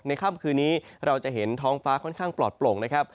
ค่ำคืนนี้เราจะเห็นท้องฟ้าค่อนข้างปลอดโปร่งนะครับ